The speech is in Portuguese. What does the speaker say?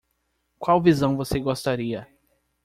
Qual visão você gostaria?